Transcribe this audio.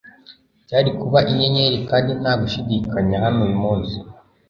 Byari kuba inyenyeri kandi nta gushidikanya hano uyu munsi